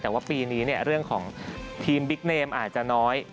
แต่ว่าปีนี้เรื่องของทีมบิ๊กเนมอาจจะน้อย